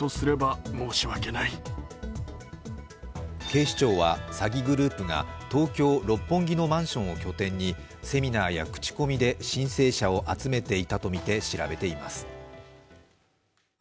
警視庁は詐欺グループが東京・六本木のマンションを拠点にセミナーや口コミで申請者を集めていたとみて調べています。